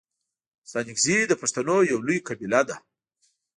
ستانگزي د پښتنو یو لويه قبیله ده.